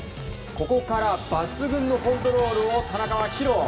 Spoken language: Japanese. ここから抜群のコントロールを田中は披露。